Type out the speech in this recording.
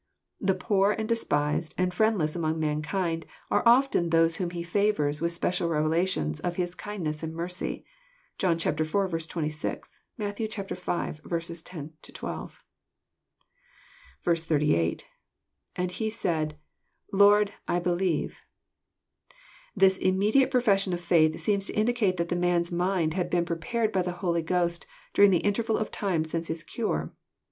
The poor and despised and friendless among mankind are often those whom He favours with special revelations of His kindness and mercy. (John iv. 26 ; Matt. v. 10—12.) S8. — lAnd he said, Lord, I believe,] This immediate profession of faith seems to indicate that the man's mind had been prepared by the Holy Ghost during the interval of time since His cure.